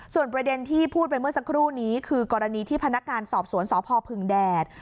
ส่วนประเด็นที่พูดไปเมื่อสักครู่นี้คือกรณีที่พนักงานสอบสวนสพพึ่งแดด